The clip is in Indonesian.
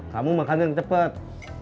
kamu makan cepet